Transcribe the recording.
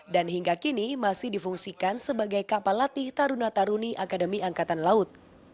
dan hingga kini masih difungsikan sebagai kapal latih taruna taruni akademi angkatan laut